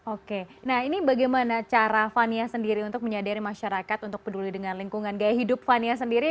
oke nah ini bagaimana cara fania sendiri untuk menyadari masyarakat untuk peduli dengan lingkungan gaya hidup fania sendiri